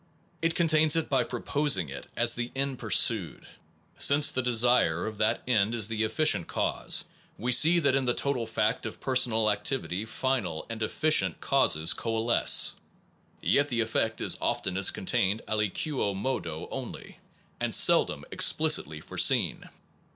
It contains it by propos ing it as the end pursued. Since the desire of that end is the efficient cause, we see that in the total fact of personal activity final and efficient causes coalesce. Yet the effect is often est contained aliquo modo only, and seldom explicitly foreseen.